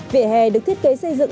vỉa hè được thiết kế xây dựng